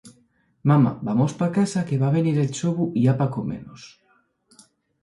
Mama, vamos pa casa, que va venire'l ḷḷobu ya va comenos.